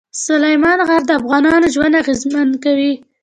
سلیمان غر د افغانانو ژوند اغېزمن کوي.